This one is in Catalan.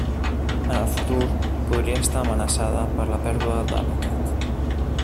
En el futur, podria estar amenaçada per la pèrdua d'hàbitat.